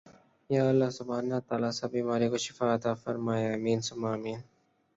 یا اللّٰہ سبحان اللّٰہ تعالی سب بیماروں کو شفاء عطاء فرمائے آمین ثم آمین